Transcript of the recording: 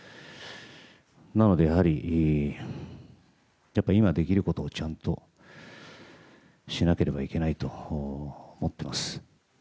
なのでやはり、今できることをちゃんとしなければいけないと思っています。